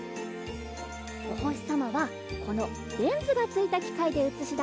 おほしさまはこのレンズがついたきかいでうつしだすよ！